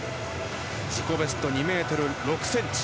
自己ベスト２ｍ６ｃｍ。